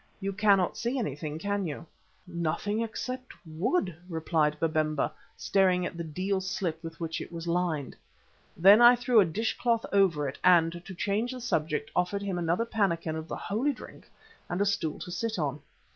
"You cannot see anything, can you?" "Nothing except wood," replied Babemba, staring at the deal slip with which it was lined. Then I threw a dish cloth over it and, to change the subject, offered him another pannikin of the "holy drink" and a stool to sit on.